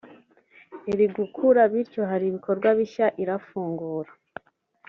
iri gukura bityo hari ibikorwa bishya irafungura